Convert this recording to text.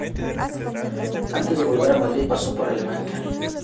Antes de volver a Madrid, pasó por Alemania.